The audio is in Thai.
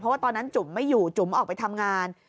ว่าตอนนั้นจุ๋มไม่อยู่จุ๋มออกไปทำงาน